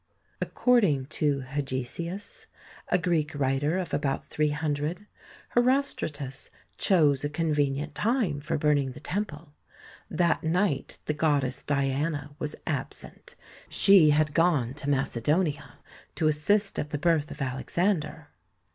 According to Hegesias, a Greek writer of about 300, Herostratus chose a convenient time for burning the temple. That night the goddess Diana was absent ; she had gone to Mace donia to assist at the birth of Alexander.